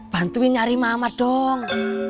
bantuin nyari mamat dong